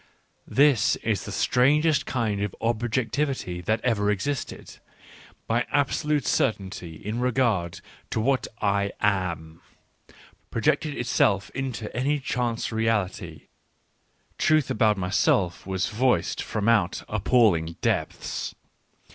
This is the strangest kind of " objectivity " that ever existed : my absolute cer tainty in regard to what I am y projected itself into any chance reality — truth about myself was voiced from out appalling depths.